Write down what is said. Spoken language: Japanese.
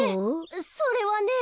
それはね